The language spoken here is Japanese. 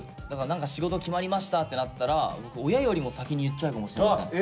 だから何か仕事決まりましたってなったら僕親よりも先に言っちゃうかもしれません。